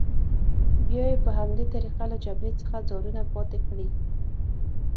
بیا یې په همدې طریقه له جبهې څخه ځانونه پاتې کړي.